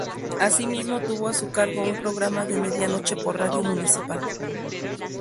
Asimismo, tuvo a su cargo un programa de medianoche por Radio Municipal.